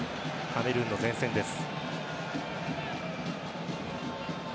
カメルーンの前線です。